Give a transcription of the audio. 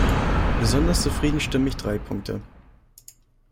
Besonders zufrieden stimmen mich drei Punkte.